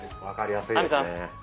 分かりやすいですね。